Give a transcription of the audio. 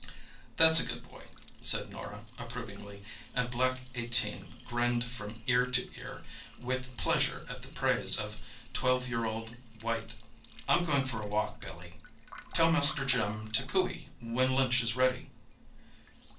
"That's a good boy," said Norah, approvingly, and black eighteen grinned from ear to ear with pleasure at the praise of twelve year old white. "I'm going for a walk, Billy. Tell Master Jim to coo ee when lunch is ready."